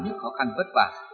những khó khăn vất vả